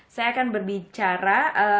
saya akan berbicara